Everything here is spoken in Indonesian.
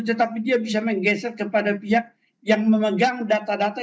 tetapi dia bisa menggeser kepada pihak yang memegang data data